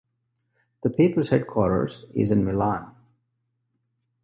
The paper's headquarters is in Milan.